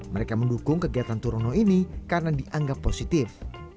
mereka mendukung kegiatan turono ini karena dianggap positif